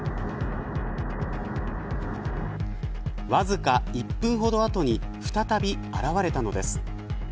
わずか１分ほど後に再び現れたのです。